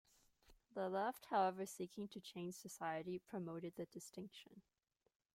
The Left, however, seeking to change society, promoted the distinction.